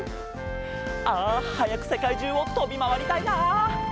あはやくせかいじゅうをとびまわりたいな。